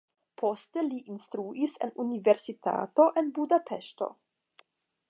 Poste li instruis en universitato en Budapeŝto.